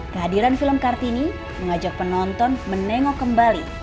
kehadiran film kartini mengajak penonton menengok kembali